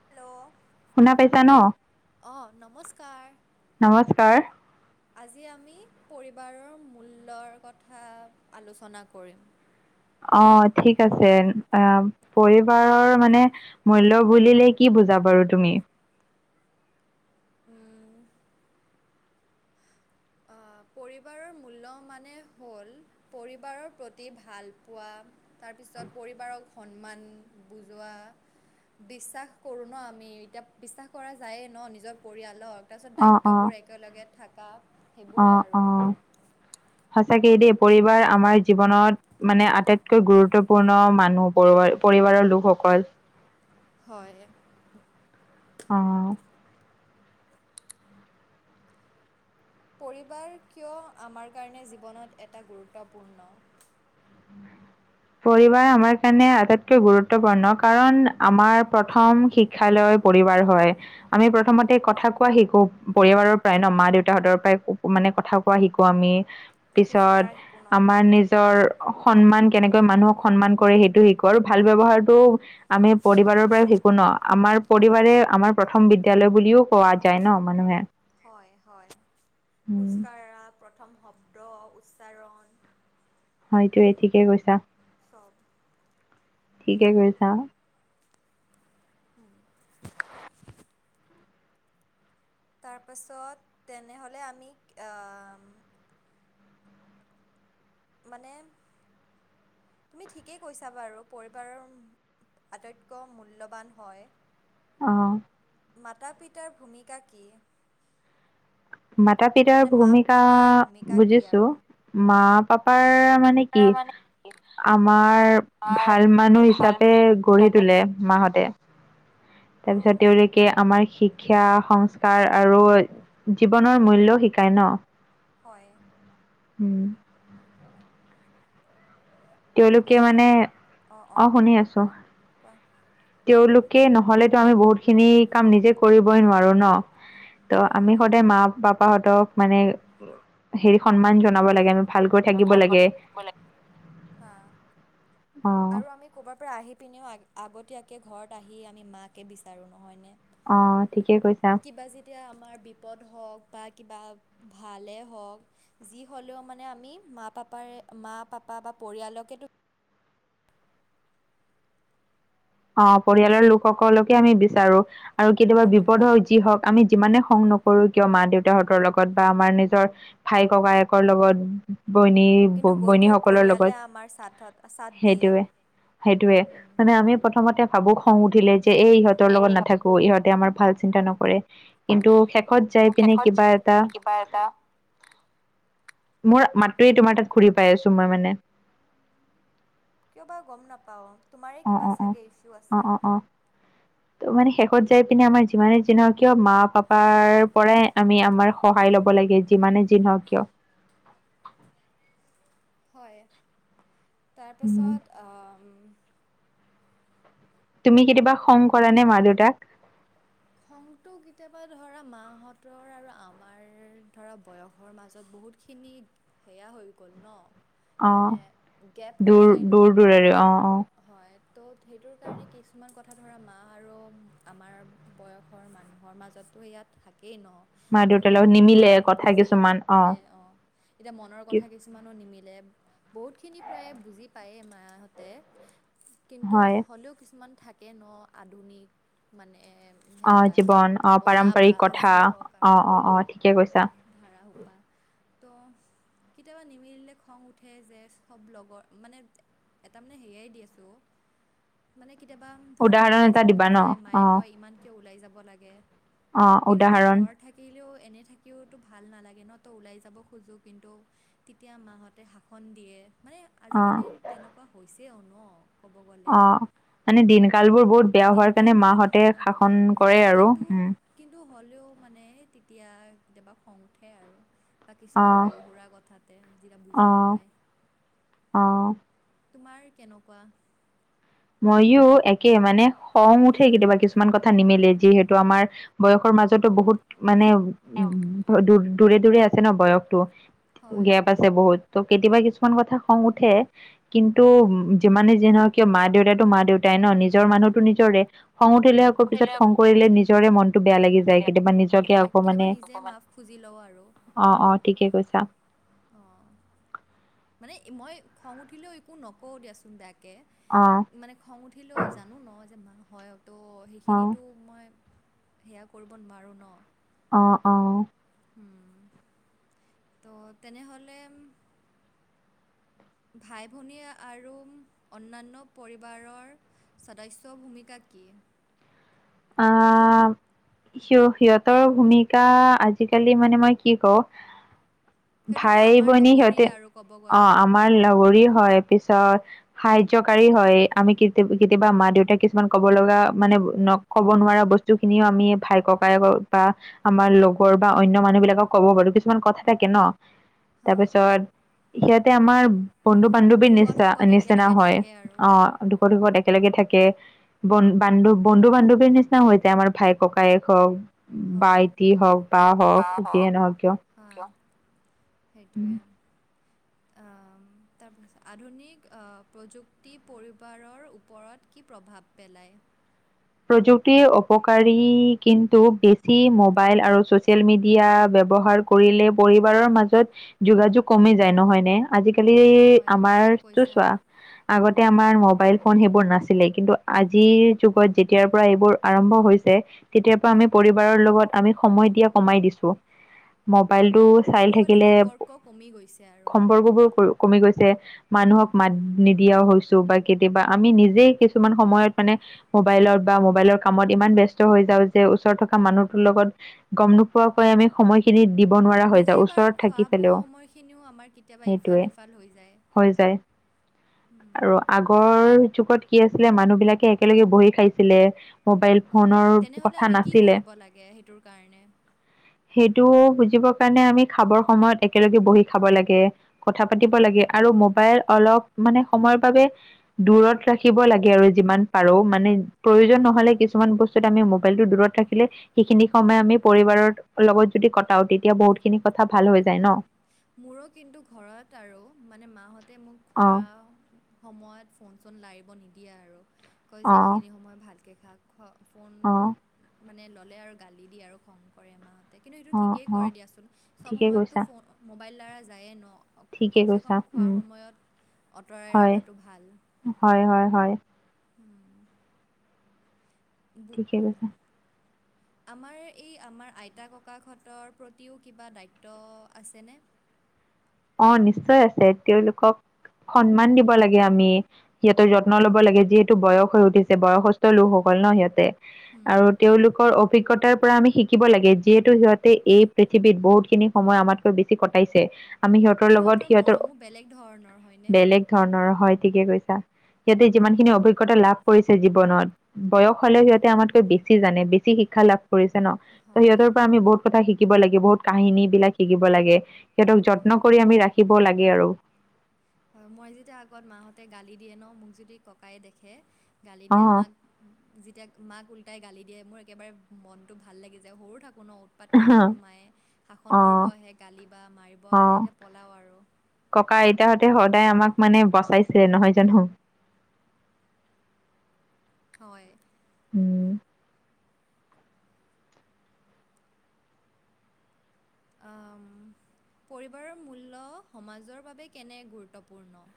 Hello? শুনা পাইছা ন', অঁ নমস্কাৰ নমস্কাৰ। আজি আমি পৰিবাৰৰ মূল্যৰ কথা আলোচনা কৰিম। অ', ঠিক আছে, অ', পৰিবাৰৰ মানে মূল্য বুলিলে কি বুজা বাৰু তুমি? পৰিবাৰৰ মূল্য মানে হ'ল, পৰিবাৰৰ প্ৰতি ভালপোৱা। তাৰপিছত পৰিবাৰৰ সন্মান বুজোৱা। বিশ্বাস কৰোঁ ন' আমি, এতিয়া বিশ্বাস কৰা যায়েই ন' নিজৰ পৰিয়ালক। তাৰপিছত অ' অ' দায়িত্ববোৰ একেলগে থকা। অ', অ'। [inaudible] সঁচাকেই দেই, পৰিবাৰ আমাৰ জীৱনত মানে আটাইতকৈ গুৰুত্বপূৰ্ণ মানুহ পৰিবাৰৰ, লোকসকল। হয়। অ'। পৰিবাৰ কিয় আমাৰ কাৰণে জীৱনত এটা গুৰুত্বপূৰ্ণ? পৰিবাৰ আমাৰ কাৰণে আটাইতকৈ গুৰুত্বপূৰ্ণ, কাৰণ আমাৰ প্ৰথম শ শিক্ষ লৈ পৰিবাৰ হয়। আমি প্ৰথমতে কথা কোৱা শিকো, পৰিবাৰৰ পৰাই ন', মা দেউতাহতৰ পৰাই মানে কথা [unintelligible] শিকো আমি, পিছত খোজকাঢ়া শিকো ন আমাৰ নিজৰ সন্মান কেনেকে মানুহক সন্মান কৰে, সেইটো শিকো। আৰু ভাল ব্যৱহাৰটো আমি পৰিবাৰৰ পৰা ন! আমাৰ পৰিবাৰে আমাৰ প্ৰথম বিদ্যালয় বুলিও কোৱা যায় ন, মানুহে। হয়, হয়। খোজ কঢ়া, প্ৰথম শব্দ উচ্চাৰণ হয়টোয়ে, ঠিকে কৈছা। চব ঠিকে কৈছা। হুম। তাৰপাছত, তেনেহ'লে আমি অম মানে, তুমি ঠিকেই কৈছা বাৰু, পৰিবাৰৰ আটাইতকৈ মূল্যৱান হয়। অঁ। মাতা-পিতাৰ ভূমিকা কি? মাতা-পিতাৰ মানে মা ভূমিকা পাপাৰ ভূমিকা কি বুজিছো, আৰু মা-পাপাৰ মানে কি? আমাৰ ভাল মানুহ হিচাপে গঢ়ি তোলে, মাহঁতে। অঁ তাৰপিছত, তেওঁলোকে আমাৰ শিক্ষা, সংস্কাৰ আৰু জীৱনৰ মূল্যও শিকায় ন। হয়। উম। তেওঁলোকে হেল্ল' মানে, অঁ অঁ অ', শুনি আছো। কোৱা তেওঁলোকে নহ'লেতো আমি বহুত খিনি কাম নিজে কৰিবই নোৱাৰো ন! ত', আমি হয় সদায় মা-পাপাহঁতক মানে হেৰি, সন্মান জনাব লাগে। ভালকৈ থাকিব ভাল কৈ লাগে থাকিব লাগে। হা। অ আৰু আমি ক'ৰবাৰ পৰা আহি পিনেও আগতীয়াকৈ ঘৰত আহি আমি মাকে বিচাৰোঁ নহয়নে! অ', ঠিকে কৈছা। কিবা যেতিয়া আমাৰ বিপদ হওঁক বা কিবা ভালে হওঁক যি হ'লেও মানে আমি, মা-পাপাৰে, মা-পাপা বা পৰিয়ালকেটো অ', পৰিয়ালৰ লোকসকলকে আমি বিচাৰো, আৰু কেতিয়াবা সেইটোৱে বিপদৰ হওঁক, যি হওঁক। আমি যিমানে খং নকৰো কিয় মা-দেউতাহঁতৰ লগত বা আমাৰ নিজৰ ভাই-ককাই লগত, অ কিন্তু গৈ থৈ [unintelligible] সকলৰ পৰিয়ালে লগত, আমাৰ চাথত চাথ দিয়ে সেইটোৱে। সেইটোৱে, উম মানে আমি প্ৰথমতে ভাবো খং উঠিলে যে, এই ইহঁতৰ লগত নাথাকো ইহঁতে আমাৰ ভাল চিন্তা নকৰে, কিন্তু শেষত যাই পিনে কিবা এটা মোৰ মাতটোৱে তোমাৰ তাত ঘূৰি পাই আছো, মই মানে। কিয় বা গম নাপাওঁ, তোমাৰেই অ কিবা অ অ চাগে ইছু অ আছে। অ অ ত', মানে শেষত যাই পিনে, আমাৰ যিমানে যি নহওঁক কিয় মা-পাপাৰ পৰাই আমি আমাৰ সহায় ল'ব লাগে, যিমানে যি নহওঁক কিয়। হয়, উম, তাৰপাছত আম তুমি কেতিয়াবা খং কৰা নে মা-দেউতাক? খংটো কেতিয়াবা ধৰা, মাহঁতৰ আৰু আমাৰ ধৰা বয়সৰ মাজত বহুত খিনি সেয়া হৈ গ'ল ন! অ মানে গেপ হৈ দূৰ যায় ন! দূৰ দূৰৰে ত', অ যোন অ হয়, ত', সেইটো কাৰণে কিছুমান কথা ধৰা, মা আৰু আমাৰ বয়সৰ মানুহৰ মাজততো এইয়া থাকেই মা দেউতাৰ ন। লগত নিমিলে কথা নুবুজা-নুবুজি কিছুমান [unintelligible] অ'। এতিয়া মনৰ কি কথা কিছুমানো নিমিলে। বহুতখিনি প্ৰায়ে বুজি পায়েই মাহঁতে। কিন্তু হয় হ'লেও কিছুমান থাকে ন', আধুনিক মানে অ সেয়া, জীৱন অ ভাৱনা বা পাৰম্পৰিক কথা যি হওঁক অ আৰু অ অ ঠিকে কৈছা অঁ। ধাৰা হোপা ত' কেতিয়াবা নিমিলিলে খং উঠে যে চব লগৰ, মানে এটা মানে হেৰিয়াই দি আছোঁ অ। মানে কেতিয়াবা ধৰা মোৰ উদাহৰণ ওলাই এটা যাব দিবা মন ন যায়, অ মায়ে কয় ইমান কিয় ওলাই যাব লাগে? অ কিন্তু এতিয়া উদাহৰণ ঘৰত থাকি থাকিলেও এনে থাকিওতো ভাল নালাগে ন ত ওলাই যাব খোজোঁ কিন্তু তেতিয়া মাহঁতে শাসন দিয়ে মানে অ আজিকালি তেনেকুৱা হৈছেও ন‌। আহ মানে দিনকাল বোৰ বহুত বেয়া হোৱাৰ কাৰণে দিনকালবোৰো মাহঁতে ভাল নহয় শাসন কৰে আৰু কিন্তু উম কিন্তু হ'লেও মানে তেতিয়া কেতিয়াবা খং উঠে আৰু। বা অ কিছুমান সৰু সুৰা কথাতে যেতিয়া বুজি অ নাপায়। অ তোমাৰ কেনেকুৱা? মইয়ো একে মানে খং উঠে কেতিয়াবা কিছুমান কথা নিমিলে যিহেতু আমাৰ বয়সৰ মাজতো বহুত মানে দূ দূৰে দূৰে আছে ন বয়সটো হয় গেপ আছে। বহুত ত কেতিয়াবা কিছুমান কথা খং উঠে কিন্তু যিমানে যি নহক কিয় মাত সিহঁতেটো মা দেউতাই ন নিজৰ মানুহতো নিজৰে খং উঠিলে আকৌ পিছত খং কৰিলে নিজৰে মন মনটো বেয়া লাগি যায় হয় কেতিয়াবা নিজকে আকৌ কেতিয়াবা মানে নিজে মাফ খুজি লওঁ আৰু অহ অহ ঠিকে কৈছা। আহ মানে মই খং উঠিলেও একো নকওঁ দিয়াচোন বেয়াকে। আহ। মানে খং উঠিলেও জানো ন যে মা হয় তো অ সেইখিনিতো মই সেয়া কৰিব নোৱাৰোঁ ন। অ অ। উম তো' তেনেহ'লে ভাই ভনীয়ে আৰু অন্যান্য পৰিবাৰৰ সদস্য ভূমিকা কি? আহ সি সিহঁতৰ ভূমিকা আজিকালি মানে মই কি কওঁ? সেইটোতো ভাই আমাৰ ভনী সিহঁতে লগৰীয়ে আৰু ক'ব আহ গ'লে। আমাৰ লগৰী হয় পিছত সাহায্যকাৰী হয় আমি কে কেতিয়াবা মা দেউতাক কিছুমান কব লগা মানে নকয় ক'ব নোৱাৰা বস্তু খিনিও আমি ভাই ককায়েক বা আমাৰ লগৰ বা অন্য মানুহ বিলাকক ক'ব পাৰো কিছুমান কথা থাকে ন হা, তাৰপিছত সিহঁতে আমাৰ বন্ধু বান্ধৱীৰ নিচিনা দুখত-সুখত নিচিনা একেলগে হয় থাকে আৰু। আহ। দুখত সুখত একেলগে থাকে উম, বান্ধু বন্ধু বান্ধৱী বন্ধুৰ নিচিনা হৈ যায় আমাৰ ককায়েক হওক। হয়। ভাইটি হওক বাহ হওক যিয়ে নহওক কিয়। হয় সেইটোৱেই। আহ তাৰপিছত আধুনিক আহ প্ৰযুক্তি পৰিবাৰৰ ওপৰত কি প্ৰভাৱ পেলায়? প্ৰযুক্তিৰ অপকাৰী কিন্তু বেছি মোবাইল আৰু ছ'চিয়েল মিডিয়া ব্যৱহাৰ কৰিলে পৰিবাৰৰ মাজত যোগাযোগ কমি যায় নহয় নে। আজিকালি হয়, ঠিক আমাৰ তাতো কৈছা। চোৱা। আগতে আমাৰ মোবাইল ফোন সেইবোৰ নাছিলেই কিন্তু আজিৰ যুগত যেতিয়াৰ পৰা এইবোৰ আৰম্ভ হৈছে তেতিয়াৰ পৰা আমি পৰিবাৰৰ লগত আমি সময় দিয়া কমাই দিছোঁ। মবাইলটো ক'ব চাই গ'লে থাকিলে সম্পৰ্ক কমি গৈছে আৰু। সম্পৰ্ক বোৰ কৰ, কমি গৈছে মানুহক মাত নিদিয়াও হৈছো বা কেতিয়াবা আমি নিজেই কিছুমান সময়ত মানে মোবাইলৰ বা মোবাইলৰ কামত ইমান ব্যস্ত হৈ যাওঁ যে ওচৰত থকা মানুহটোৰ লগত গম নোপোৱাকৈয়ে আমি সময়খিনি দিব নোৱাৰা হৈ যাওঁ নিজে বাৰু ওচৰত থাকি খোৱা-বোৱা পেলেও। সময়খিনিও আমাৰ কেতিয়াবা সেইটোৱে ইফাল-সিফাল হৈ যায়। হৈ যায় উম। আৰু আগৰ যুগত কি আছিলে মানুহ বিলাকে একেলগে বহি খাইছিলে মোবাইল হয় ফোনৰ তেনেহ'লে কথা আমি কি নাছিলে কৰিব লাগে সেইটোৰ কাৰণে সেইটো বুজিব কাৰণে আমি খাবৰ সময়ত একেলগে বহি খাব লাগে কথা পাতিব লাগে আৰু মোবাইল অলপ মানে সময়ৰ বাবে দূৰত ৰাখিব লাগে আৰু যিমান পাৰোঁ মানে প্ৰয়োজন হয় নহ'লে কিছু কিছুমান বস্তুত আমি মোবাইলটো দূৰত ৰাখিলে সেইখিনি সময় আমি পৰিবাৰৰ লগত যদি কটাও তেতিয়া বহুত খিনি কথা ভাল হৈ যায় অঁ ন মোৰো কিন্তু ঘৰত আৰু মানে মাহঁতে মোক খোৱা অঁ সময়ত ফোন চোন লাৰিব নিদিয়ে আৰু কয় যে অঁ এইখিনি সময় ভালকৈ খাক খ ফোন অঁ মানে ল'লে আৰু গালি দিয়ে আৰু খং কৰে মা-হতে কিন্তু সেইটো অঁ ঠিকেই অঁ কৰে দিয়াচোন চব ঠিকে সময়ততো কৈছা ফোন মোবাইল লাৰা যায়েই ন ঠিকে কমচে কৈছা কম খোৱাৰ উম, সময়ত অঁতৰাই হয় ৰখাতটো ভাল। হয় হয় হয় উম। বু ঠিকে আ কৈছা আমাৰ এই আমাৰ আইতা ককাকহঁতৰ প্ৰতিও কিবা দায়িত্ব আছেনে? অ নিশ্চয় আছে তেওঁলোকক সন্মান দিব লাগে আমি সিহঁতৰ যত্ন ল'ব লাগে যিহেতু বয়স হৈ উঠিছে বয়সস্থ লোকসকল ন সিহঁতে আৰু হুম তেওঁলোকৰ অ অভিজ্ঞতাৰ পৰা আমি শিকিব লাগে যিহেতু সিহঁতে এই পৃথিৱীত বহুতখিনি সময় আমাতকৈ বেছি কটাইছে আমি সিহঁতৰ আৰু লগত সিহঁতৰ অ, মৰমো বেলেগ ধৰণৰ হয়নে? বেলেগ ধৰণৰ হয় ঠিকে কৈছা। সিহঁতে যিমান হুম খিনি অভিজ্ঞতা লাভ কৰিছে জীৱনত বয়স হ'লে সিহঁতে হুম আমাতকৈ বেছি জানে বেছি শিক্ষা লাভ কৰিছে ন! ত' হয় সিহঁতৰ পৰা আমি বহুত কথা শিকিব লাগে বহুত কাহিনীবিলাক শিকিব লাগে সিহঁতক হয় যত্ন কৰি আমি ৰাখিব লাগে আৰু হয় মই যেতিয়া আগত মাহঁতে গালি দিয়ে ন মোক যদি ককায়ে দেখে গালি দিয়া অ', মাক যেতিয়া মাক উল্টাই গালি দিয়ে মোৰ একেবাৰে মনটো ভাল লাগি যায় সৰু থাকোঁ ন! উৎপাত কৰি ফুৰোঁ মায়ে শাসন কৰিব অ', আহে গালি বা মাৰিব আহে অ', তেতিয়া পলাও আৰু ককা আইতাহঁতে সদায় আমাক মানে বচাইছে নহয় জানো! হয় উম আম, পৰিবাৰ মূল্য সমাজৰ বাবে কেনে গুৰুত্বপূৰ্ণ?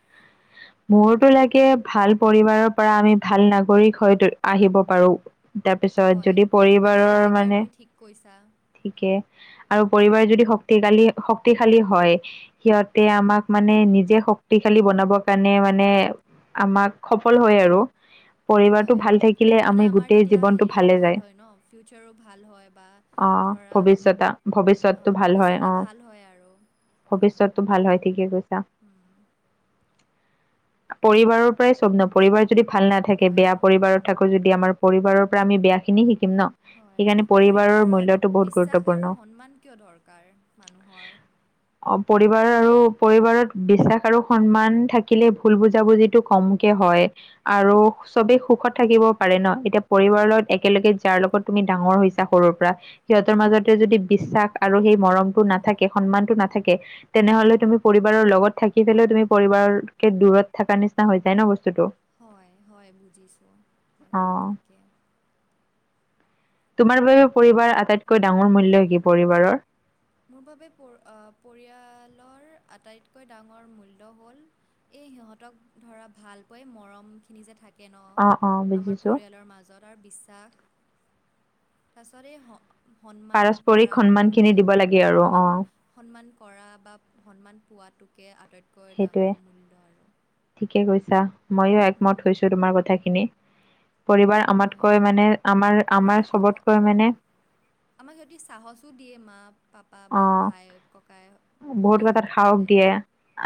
মোৰতো লাগে ভাল পৰিবাৰৰ পৰা আমি ভাল নাগৰিক হৈ তু, আহিব পাৰোঁ। তাৰপিছত হয় যদি এইটো পৰিবাৰৰ একেবাৰে মানে, তুমি ঠিক কৈছা ঠিকে আৰু পৰিবাৰ যদি শক্তিকালী, শক্তিশালী হয় সিহঁতে আমাক মানে নিজে শক্তিশালী বনাব [unintelligible] মানে আমাক সফল হয় আৰু পৰিবাৰটো হয় ভাল থাকিলে মানে আমি আমাৰ গোটেই তেতিয়া জীৱনটো হেৰিও ভালে যায়। ভাল হয় ন ফিউচাৰো ভাল হয় বা অ', ধৰা ভৱিষ্যতা আ, ভৱিষ্যতটো ভাল হয় ভৱিষ্যতা অ'। ভাল হয় আৰু ভৱিষ্যতটো ভাল হয়, ঠিকে কৈছা। উম, পৰিবাৰৰ পৰাই চব ন' পৰিবাৰ যদি ভাল নাথাকে, হয় বেয়া পৰিবাৰত থাকো যদি আমাৰ পৰিবাৰৰ পৰা আমি বেয়াখিনি শিকিম ন'। হয়, সেইকাৰণে পৰিবাৰৰ পৰিবাৰত মূল্যটো বহুত বিশ্বাস গুৰুত্বপূৰ্ণ আৰু সন্মান কিয় দৰকাৰ মানুহৰ? অ' পৰিবাৰ আৰু পৰিবাৰত বিশ্বাস আৰু সন্মান থাক কিলে ভুল বুজাবুজিটো কমকে হয়। আৰু চবেই সুখত থাকিব পাৰে ন' এতিয়া পৰিবাৰৰ লগত একেলগে যাৰ লগত তুমি ডাঙৰ হৈছা সৰুৰ পৰা সিহঁতৰ মাজতে যদি বিশ্বাস আৰু সেই মৰমটো নাথাকে, সন্মানটো নাথাকে তেনেহ'লে তুমি পৰিবাৰৰ লগত থাকি পেলাইও তুমি পৰিবাৰ কে দূৰত থাকা নিচিনা হৈ যায় ন' বস্তুটো। হয়, হয় বুজিছোঁ, হয় অ ঠিকে। তোমাৰ বাবে পৰিবাৰ আটাইতকৈ ডাঙৰ মূল্য কি পৰিবাৰৰ? মোৰ বাবে পৰ আ, পৰিয়ালৰ আটাইতকৈ ডাঙৰ মূল্য হ'ল এই সিহঁতক ধৰা ভাল পাই মৰমখিনি যে থাক কে অ অ ন' আমাৰ বুজিছো পৰিয়ালৰ মাজত। তাৰ বিশ্বাস, তাৰপিছতে এই হ সন্মান পাৰস্পৰিক সন্মান খিনি কৰাটোৱে দিব লাগে আৰু অ সন্মান সন্মান কৰা বা সন্মান পোৱাটোকে আটাইত কৈ সেইটোৱে ডাঙৰ মূল্য আৰু। ঠিকে কৈছা, ময়ো একমত উম, হৈছোঁ তোমাৰ কথাখিনি। পৰিবাৰ হয় আমাতকৈ মানে আমাৰ আমাক আমাৰ স- স- চবতকৈ মানে আমাক যদি চাহসো দিয়ে মাক পাপা অ বা ভাই, ককাই বহুত ভনীহঁত কথাত সাহস ক'লে, দিয়ে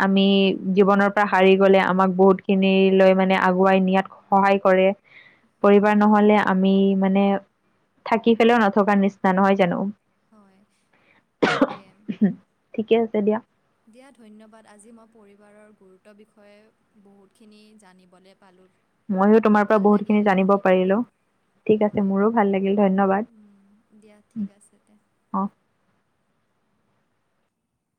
আমি উম, উম। জীৱনৰ পৰা হাৰি গ'লে আমাক বহুতখিনিলৈ মানে আগুৱাই নিয়াত সহায় কৰে। হয় পৰিবাৰ নহ'লে আমি মানে থাকি পেলেও নথকাৰ নিচিনা নহয় জানো? হয় ঠিকে। ঠিকে আছে দিয়া। দিয়া ধন্যবাদ। আজি মই পৰিবাৰৰ গুৰুত্বৰ বিষয়ে বহুতখিনি জানিবলৈ পালোঁ। মইয়ো তোমাৰ পৰা ভাল লাগিল বহুতখিনি জানিব এইখিনি পৰিলোঁ। পাতিম ঠিক আছে হয় মোৰো ভাল লাগিল, ধন্যবাদ। উম, দিয়া ঠিক আছে তে। অ